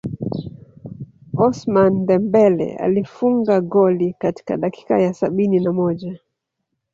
Ousmane Dembele alifunga goli katika dakika ya sabini na moja